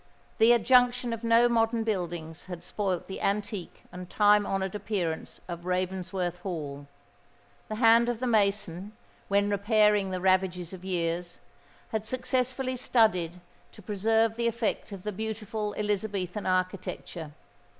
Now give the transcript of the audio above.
The adjunction of no modern buildings had spoiled the antique and time honoured appearance of Ravensworth Hall: the hand of the mason, when repairing the ravages of years, had successfully studied to preserve the effect of the beautiful Elizabethan architecture.